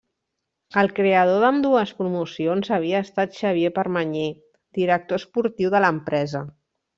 El creador d'ambdues promocions havia estat Xavier Permanyer, director esportiu de l'empresa.